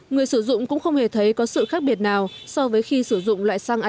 người sử dụng cũng không hề thấy có sự khác biệt nào so với khi sử dụng loại xăng a chín mươi hai